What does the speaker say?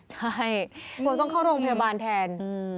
ใช่กลัวต้องเข้าโรงพยาบาลแทน